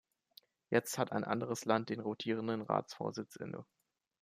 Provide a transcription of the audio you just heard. Jetzt hat ein anderes Land den rotierenden Ratsvorsitz inne.